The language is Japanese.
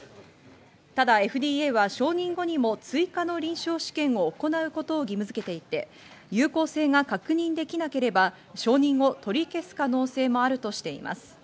ただＦＤＡは承認後にも追加の臨床試験を行うことを義務づけていて、有効性が確認できなければ承認を取り消す可能性もあるとしています。